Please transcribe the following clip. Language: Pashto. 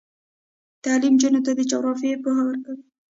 تعلیم نجونو ته د جغرافیې پوهه ورکوي.